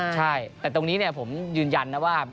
ใช่แต่ตรงนี้ผมยืนยันนะว่า